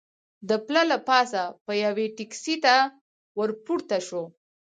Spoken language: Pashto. د پله له پاسه به یوې ټکسي ته ور پورته شو.